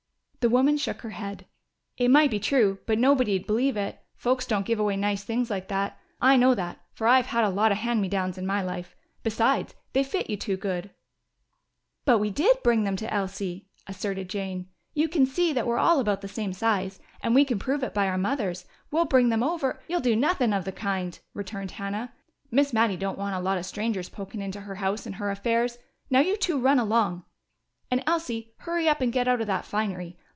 The woman shook her head. "It might be true, but nobody'd believe it. Folks don't give away nice things like that. I know that, for I've had a lot of 'hand me downs' in my life.... Besides, they fit you too good." "But we did bring them to Elsie," asserted Jane. "You can see that we're all about the same size. And we can prove it by our mothers. We'll bring them over " "You'll do nuthin' of the kind!" returned Hannah. "Miss Mattie don't want a lot of strangers pokin' into her house and her affairs. Now, you two run along! And, Elsie, hurry up and get out of that finery.